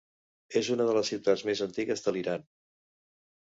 És una de les ciutats més antigues de l'Iran.